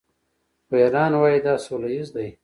خو ایران وايي دا سوله ییز دی.